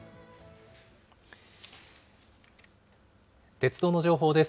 鉄道の情報です。